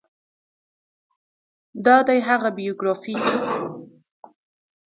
دا دی هغه بایوګرافي